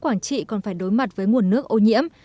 quảng trị còn phải đối mặt với nguồn nước ô nhiễm